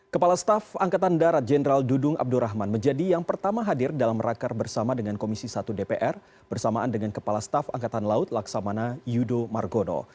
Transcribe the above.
kepala staf angkatan darat jenderal dudung abdurrahman menjadi yang pertama hadir dalam raker bersama dengan komisi satu dpr bersamaan dengan kepala staf angkatan laut laksamana yudo margono